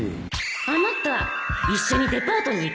あなた一緒にデパートに行かない？